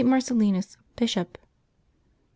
MARCELLINU3, Bishop. [T.